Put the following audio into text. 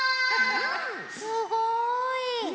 すごい。